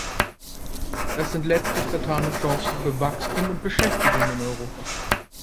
Das sind letztlich vertane Chancen für Wachstum und Beschäftigung in Europa.